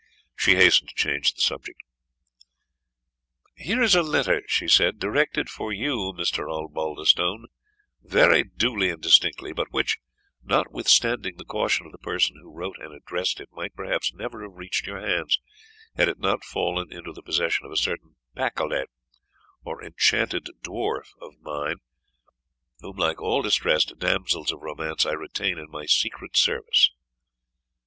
She hastened to change the subject. "Here is a letter," she said, "directed for you, Mr. Osbaldistone, very duly and distinctly; but which, notwithstanding the caution of the person who wrote and addressed it, might perhaps never have reached your hands, had it not fallen into the possession of a certain Pacolet, or enchanted dwarf of mine, whom, like all distressed damsels of romance, I retain in my secret service."